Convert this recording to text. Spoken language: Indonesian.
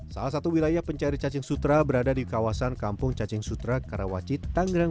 salah satu wilayah pencari cacing sutra berada di kawasan kampung cacing sutra karawaci tangerang